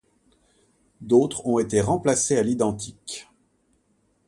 D'autres ont été remplacés à l'identique.